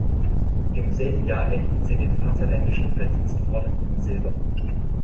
Im selben Jahr erhielt sie den Vaterländischen Verdienstorden in Silber.